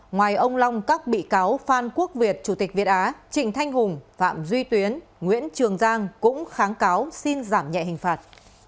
ngoài ông long các bị cáo phan quốc việt chủ tịch việt á trịnh thanh hùng phạm duy tuyến nguyễn trường giang cũng kháng cáo xin giảm nhẹ hình phạt